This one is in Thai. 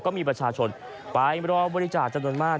ก็มีประชาชนไปรอบริจาจรรย์มาตร